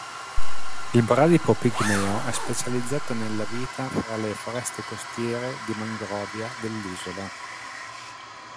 Il bradipo pigmeo è specializzato nella vita fra le foreste costiere di mangrovia dell'isola.